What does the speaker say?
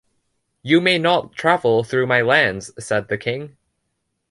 “You may not travel through my lands,” said the King.